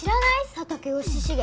佐竹義重！